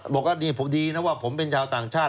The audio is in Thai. บอกว่านี่ผมดีนะว่าผมเป็นชาวต่างชาติ